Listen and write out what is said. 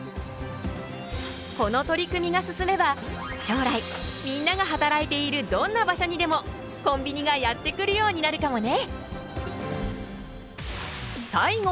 この取り組みが進めば将来みんなが働いているどんな場所にでもコンビニがやって来るようになるかもね。